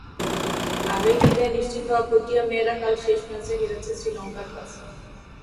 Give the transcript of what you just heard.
আগেই বিদায় নিশ্চিত হওয়া প্রোটিয়া মেয়েরা কাল শেষ ম্যাচে হেরেছে শ্রীলঙ্কার কাছে।